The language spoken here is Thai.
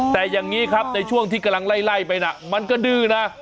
แต่อย่างนี้ครับในช่วงที่กำลังไล่ไปนะมันก็ดื้อนะ